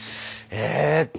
えっと。